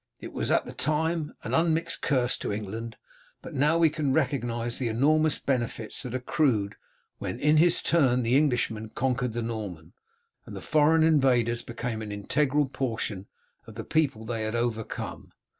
It was at the time an unmixed curse to England; but now we can recognize the enormous benefits that accrued when in his turn the Englishman conquered the Norman, and the foreign invaders became an integral portion of the people they had overcome.